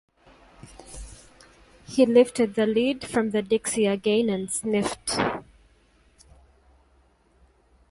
He lifted the lid from the dixie again and sniffed.